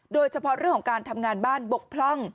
โดยเฉพาะเรื่องของการทำงานบ้านบกพร่อง